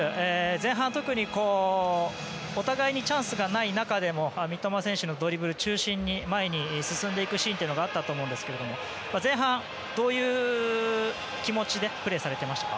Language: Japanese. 前半、特にお互いにチャンスがない中でも三笘選手のドリブルを中心に前に進んでいくシーンがあったと思いますが前半どういう気持ちでプレーされていましたか？